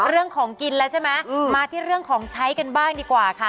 เรื่องของกินแล้วใช่ไหมมาที่เรื่องของใช้กันบ้างดีกว่าค่ะ